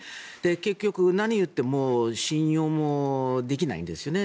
結局、何を言っても信用もできないんですよね。